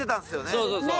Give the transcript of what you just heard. そうそうそう。